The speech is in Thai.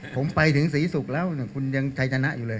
ผมไปถึงศรีศุกร์แล้วคุณยังชัยชนะอยู่เลย